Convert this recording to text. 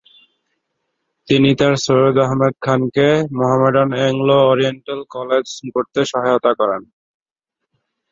তিনি তার সৈয়দ আহমদ খানকে মোহামেডান এংলো-ওরিয়েন্টাল কলেজ গড়তে সহায়তা করেন।